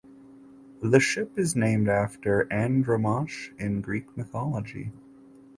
The ship is named after Andromache in Greek mythology.